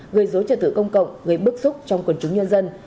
gây dối trật tự công cộng gây bức xúc trong quần chúng nhân dân